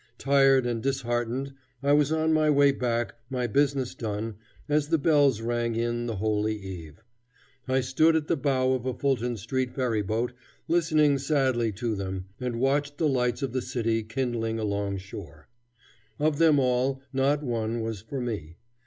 Tired and disheartened, I was on my way back, my business done, as the bells rang in the Holy Eve. I stood at the bow of a Fulton Street ferryboat listening sadly to them, and watched the lights of the city kindling alongshore. Of them all not one was for me.